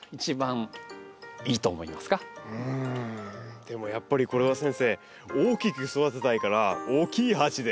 でもやっぱりこれは先生大きく育てたいから大きい鉢で。